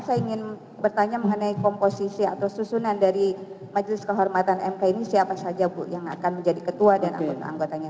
saya ingin bertanya mengenai komposisi atau susunan dari majelis kehormatan mk ini siapa saja bu yang akan menjadi ketua dan anggota anggotanya